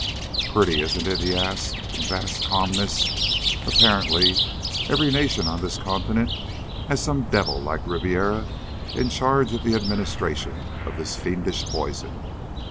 "Pretty, isn't it?" he asked in a vast calmness. "Apparently every nation on the continent has some devil like Ribiera in charge of the administration of this fiendish poison.